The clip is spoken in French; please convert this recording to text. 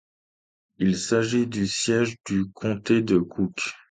Il s'agit du siège du comté de Cook.